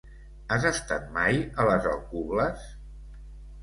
Has estat mai a les Alcubles?